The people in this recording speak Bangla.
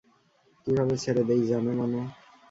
কিভাবে ছেড়ে দেই জানে মান?